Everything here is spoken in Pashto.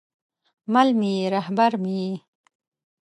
مل مې یې، رهبر مې یې